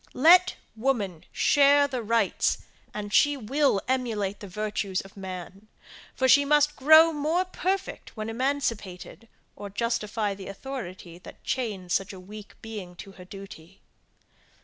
Let woman share the rights, and she will emulate the virtues of man; for she must grow more perfect when emancipated, or justify the authority that chains such a weak being to her duty.